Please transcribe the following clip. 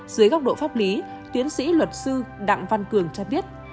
dưới góc độ pháp lý tiến sĩ luật sư đặng văn cường cho biết